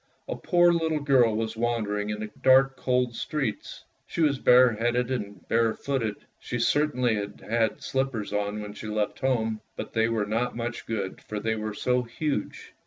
A poor little girl was wandering in the dark cold streets; she was bareheaded and barefooted. She certainly had had slippers on when she left home, but they were not much good, for they were so huge.